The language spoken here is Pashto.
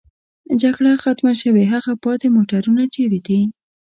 جګړه ختمه شوې، هغه پاتې موټرونه چېرې دي؟